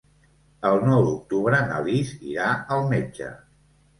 El nou d'octubre na Lis irà al metge.